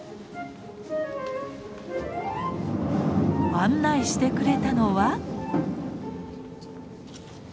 案内してくれたのは。